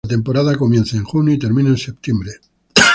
La temporada comienza en junio y termina en septiembre.